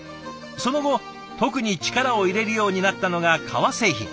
その後特に力を入れるようになったのが革製品。